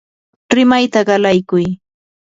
rimayta qalaykuy.